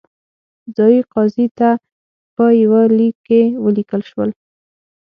ځايي قاضي ته په یوه لیک کې ولیکل شول.